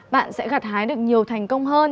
bạn sẽ gạt hái được nhiều thành công hơn